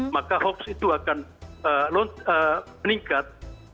maka hoax itu akan meningkat